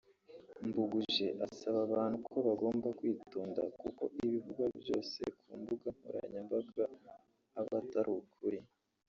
Mbuguje asaba abantu ko bagomba kwitonda kuko ibivugwa byose ku mbuga nkoranyambaga aba atari ukuri